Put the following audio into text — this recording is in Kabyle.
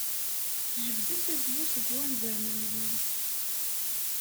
Jebdet azwu seg wanzaren-nwen.